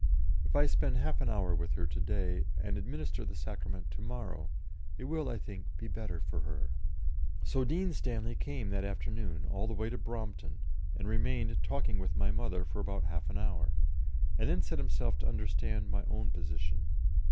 If I spend half an hour with her to day, and administer the Sacrament to morrow, it will, I think, be better for her." So Dean Stanley came that afternoon, all the way to Brompton, and remained talking with my mother for about half an hour, and then set himself to understand my own position.